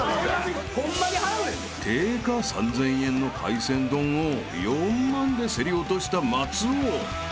［定価３，０００円の海鮮丼を４万で競り落とした松尾］